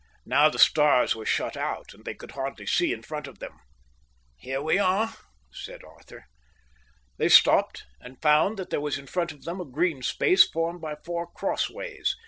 Now the stars were shut out, and they could hardly see in front of them. "Here we are," said Arthur. They stopped, and found that there was in front of them a green space formed by four cross ways.